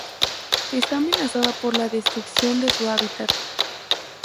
Está amenazada por la destrucción de su hábitat.